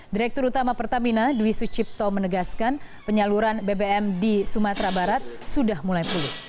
direktur utama pertamina dwi sucipto menegaskan penyaluran bbm di sumatera barat sudah mulai pulih